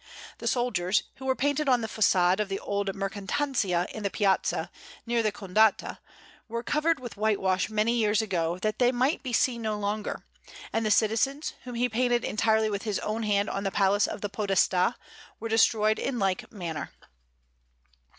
The soldiers, who were painted on the façade of the old Mercatanzia in the Piazza, near the Condotta, were covered with whitewash many years ago, that they might be seen no longer; and the citizens, whom he painted entirely with his own hand on the Palace of the Podestà, were destroyed in like manner.